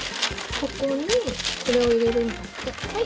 ここにこれを入れるんだって。